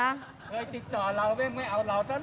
เฮ้ยติดต่อเราไม่เอาเราตัวนะ